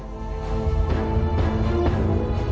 สวัสดีสวัสดี